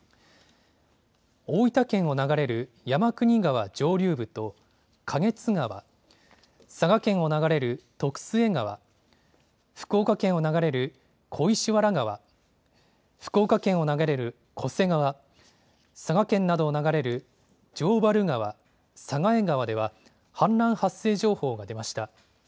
大分県を流れる山国川上流部と花月川、佐賀県を流れる徳須恵川、福岡県を流れる小石原川、福岡県を流れる巨瀬川、佐賀県などを流れる城原川、佐賀江川では、氾濫発生情報が出ました。